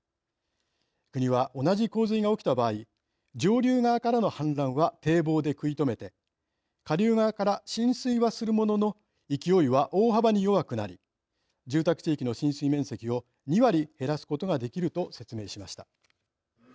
国は同じ洪水が起きた場合上流側からの氾濫は堤防で食い止めて下流側から浸水はするものの勢いは大幅に弱くなり住宅地域の浸水面積を２割減らすことができると説明しました。